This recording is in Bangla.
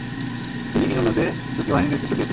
তিনি ইনোনুতে তুর্কি বাহিনীর নেতৃত্ব দিয়েছিলেন।